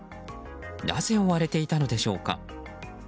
なぜ追われていたのでしょうか。